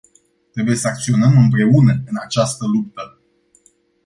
Trebuie să acționăm împreună în această luptă.